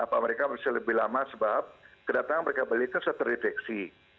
apakah mereka bisa lebih lama sebab kedatangan mereka baliknya sudah terdeteksi